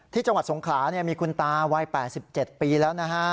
ที่จังหวัดสงขลาเนี่ยมีคุณตาว่ายแปดสิบเจ็ดปีแล้วนะฮะ